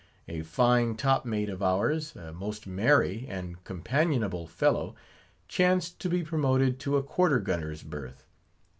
A fine top mate of ours, a most merry and companionable fellow, chanced to be promoted to a quarter gunner's berth.